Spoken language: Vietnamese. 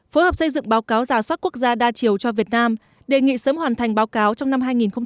phối hợp xây dựng báo cáo giả soát quốc gia đa chiều cho việt nam đề nghị sớm hoàn thành báo cáo trong năm hai nghìn hai mươi